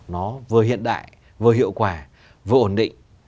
nó vừa hiện đại vừa hiệu quả vừa ổn định